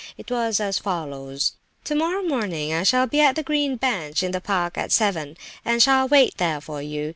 It was as follows: "Tomorrow morning, I shall be at the green bench in the park at seven, and shall wait there for you.